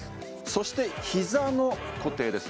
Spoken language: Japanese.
そして膝の固定です